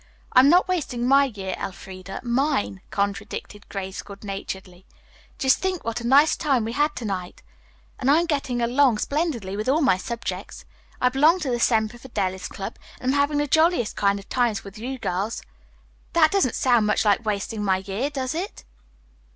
"I'm not wasting my year, Elfreda mine," contradicted Grace good naturedly. "Just think what a nice time we had to night! And I'm getting along splendidly with all my subjects. I belong to the Semper Fidelis Club, and am having the jolliest kind of times with you girls. That doesn't sound much like wasting my year, does it?"